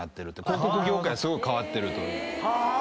広告業界すごい変わってるという。